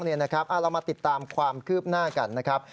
เรามาติดตามความคืบหน้ากันนะครับ